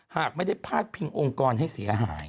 หากไม่ได้พาดพิงองค์กรให้เสียหาย